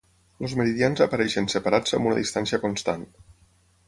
Els meridians apareixen separats amb una distància constant.